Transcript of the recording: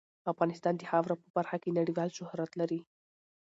افغانستان د خاوره په برخه کې نړیوال شهرت لري.